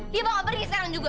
dia mau pergi sekarang juga